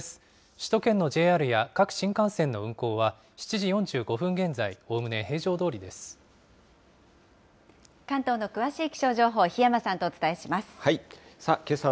首都圏のＪＲや各新幹線の運行は、７時４５分現在、関東の詳しい気象情報、檜山さんとお伝えします。